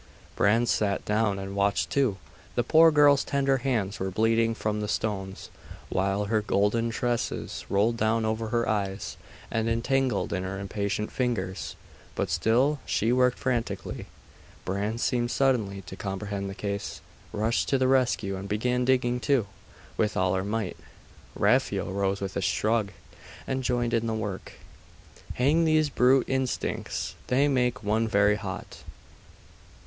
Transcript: Bran sat down and watched too. The poor girl's tender hands were bleeding from the stones, while her golden tresses rolled down over her eyes, and entangled in her impatient fingers; but still she worked frantically. Bran seemed suddenly to comprehend the case, rushed to the rescue, and began digging too, with all her might. Raphael rose with a shrug, and joined in the work. ............... 'Hang these brute instincts! They make one very hot.